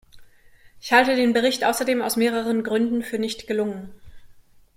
Ich halte den Bericht außerdem aus mehreren Gründen für nicht gelungen.